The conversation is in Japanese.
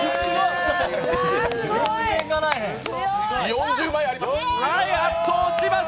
４０枚あります。